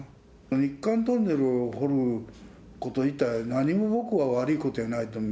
日韓トンネルを掘ること自体、何も僕は悪いことじゃないと思う。